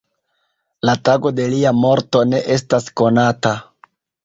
La tago de lia morto ne estas konata.